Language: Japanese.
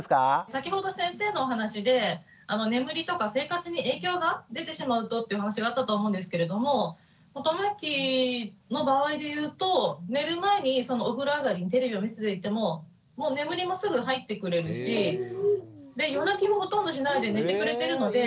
先ほど先生のお話で眠りとか生活に影響が出てしまうとっていう話があったと思うんですけれどもともゆきの場合で言うと寝る前にそのお風呂上がりにテレビを見せていても眠りもすぐ入ってくれるし夜泣きもほとんどしないで寝てくれてるので。